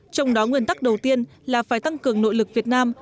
trong đó nguyên tắc đầu tiên là phải tăng cường nội lực việt nam